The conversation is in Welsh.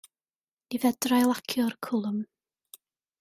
Ni fedrai lacio'r cwlwm.